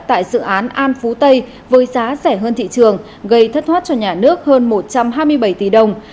tại dự án an phú tây với giá rẻ hơn thị trường gây thất thoát cho nhà nước hơn một trăm hai mươi bảy tỷ đồng